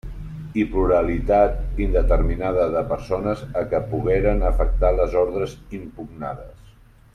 I pluralitat indeterminada de persones a què pogueren afectar les ordres impugnades.